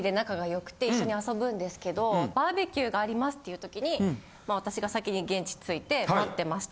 バーベキューがありますっていう時にまあ私が先に現地着いて待ってました。